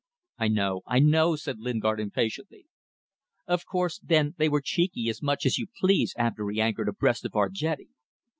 "I know, I know," said Lingard, impatiently. "Of course, then, they were cheeky as much as you please after he anchored abreast of our jetty.